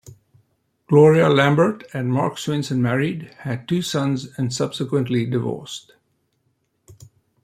Gloria Lambert and Marc Swenson married, had two sons, and subsequently divorced.